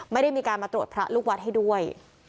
ไม่ได้มีการมาตรวจพระลูกวัดให้ด้วย